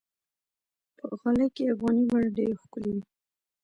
په غالۍ کې افغاني بڼه ډېره ښکلي وي.